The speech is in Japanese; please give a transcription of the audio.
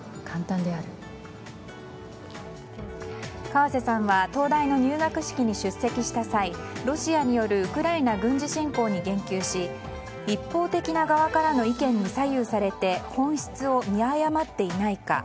河瀬さんは東大の入学式に出席した際ロシアによるウクライナ軍事侵攻に言及し一方的な側からの意見に左右されて本質を見誤っていないか。